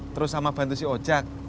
terus sama bantu si ojek